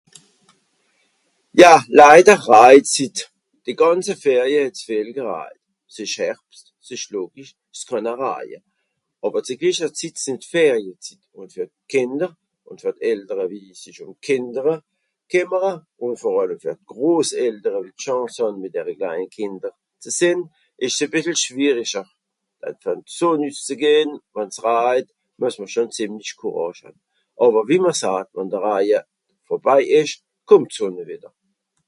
Ja ! Leider rajt's hitt. Die gànze Ferie het's viel gerajt. S ìsch Herbst. S ìsch logisch. S kànn a raje. Àwer ze glicher Zitt sìnn Feriezitt, ùn fer d'Kìnder, ùn fer d'Eltere, wie sich ùm Kìndere kìmmere, ùn vor àllem fer d'Groseltere, wie d'Chance hàn, mìt ìhre kleine Kìnder ze sìnn, ìsch's e bìssel schwierischer (...), so nüsszegehn, wànn's rajt, mues m'r scho ziemlich Kuràsch hàn. Àwer wie m'r saat, wànn de Raje vorbei ìsch, kùmmt d'Sùnne wìdder.